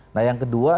nah yang kedua